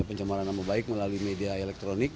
pencemaran nama baik melalui media elektronik